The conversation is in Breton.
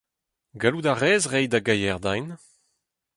Gallout a rez reiñ da gaier din ?